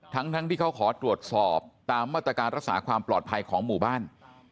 ทั้งที่เขาขอตรวจสอบตามมาตรการรักษาความปลอดภัยของหมู่บ้าน